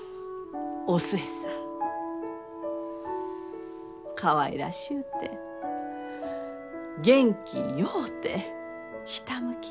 お寿恵さんかわいらしゅうて元気ようてひたむきで。